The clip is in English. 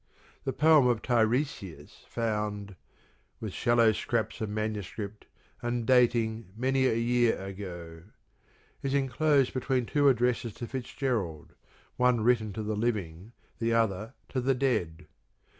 The poem of " Tiresias " found With shallow scraps of manuscript And dating many a year ago is enclosed between two addresses to Fitzgerald, one written to the living, the other to the dead.